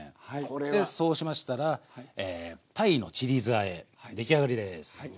でそうしましたら鯛のちり酢あえ出来上がりです。